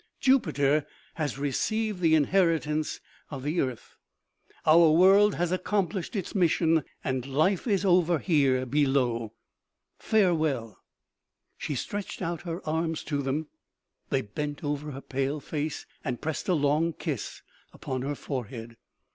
Jupiter has received the inheri tance of the earth. Our world has accomplished its mis sion, and life is over here below. Farewell !" She stretched out her arms to them ; they bent over her pale face and pressed a long kiss upon her forehead.